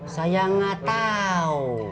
saya gak tahu